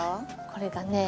これがね